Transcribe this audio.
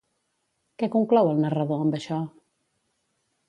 Què conclou el narrador amb això?